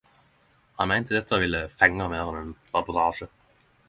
Han meinte dette ville fengje meir enn ein reportasje.